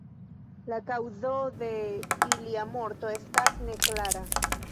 La kaŭzo de ilia morto estas neklara.